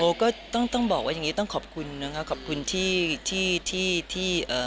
ก็ต้องต้องบอกว่าอย่างงี้ต้องขอบคุณนะคะขอบคุณที่ที่ที่เอ่อ